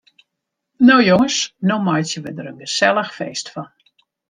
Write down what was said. No jonges, no meitsje we der in gesellich feest fan.